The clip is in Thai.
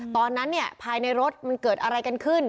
ตอนนั้นเนี่ยภายในรถมันเกิดอะไรกันขึ้น